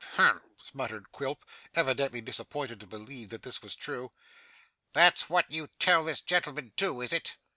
'Humph!' muttered Quilp, evidently disappointed to believe that this was true. 'That's what you tell this gentleman too, is it?